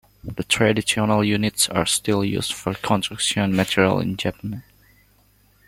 The traditional units are still used for construction materials in Japan.